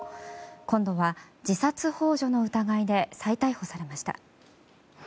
今度は自殺ほう助の疑いで再逮捕されました。